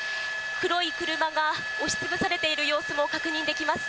黒い車が押しつぶされている様子も確認できます。